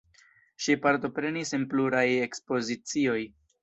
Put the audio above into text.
Ŝi partoprenis en pluraj ekspozicioj.